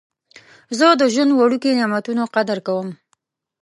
زه د ژوند وړوکي نعمتونه قدر کوم.